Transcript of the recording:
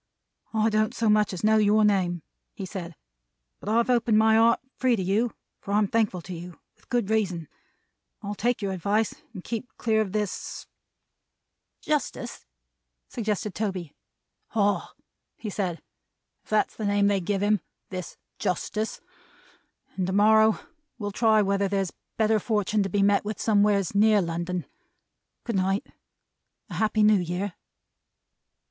"I don't so much as know your name," he said, "but I've opened my heart free to you, for I'm thankful to you; with good reason. I'll take your advice and keep clear of this " "Justice," suggested Toby. "Ah!" he said. "If that's the name they give him. This Justice. And to morrow will try whether there's better fortun' to be met with somewheres near London. Goodnight. A Happy New Year!"